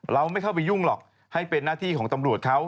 เราไม่เข้าไปยุ่งหรอกให้เป็นหน้าที่ของตำรวจเขา